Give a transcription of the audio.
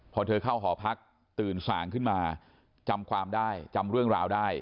พอเธอเข้าหอพักตื่นสางขึ้นมาจำความได้จำเรื่องราวได้